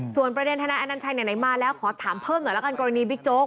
ส่วนประเด็นทนายอนัญชัยไหนมาแล้วขอถามเพิ่มหน่อยละกันกรณีบิ๊กโจ๊ก